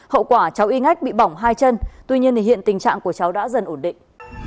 hậu quả cháu y ngách bị bỏng hai chân tuy nhiên hiện tình trạng của cháu đã dần ổn định